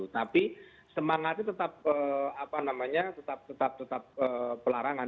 tapi semangatnya tetap pelarangan